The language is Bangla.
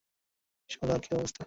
শোলার কী অবস্থা?